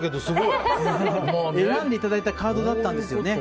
選んでいただいたカードだったんです。